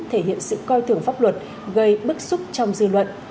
thể hiện sự coi thường pháp luật gây bức xúc trong dư luận